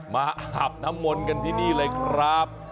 อาบน้ำมนต์กันที่นี่เลยครับ